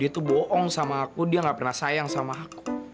dia tuh bohong sama aku dia nggak pernah sayang sama aku